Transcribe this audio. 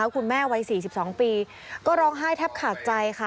วัย๔๒ปีก็ร้องไห้แทบขาดใจค่ะ